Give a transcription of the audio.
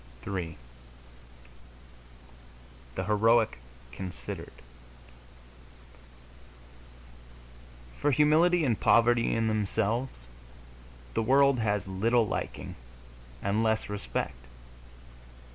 III THE HEROIC CONSIDERED For humility and poverty, in themselves, the world has little liking and less respect.